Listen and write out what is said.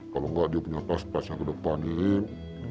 kalau enggak dia punya pas pasnya ke depanin